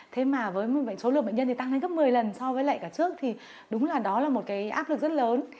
thế mà với số lượng bệnh nhân thì tăng lên gấp một mươi lần so với lại cả trước thì đúng là đó là một cái áp lực rất lớn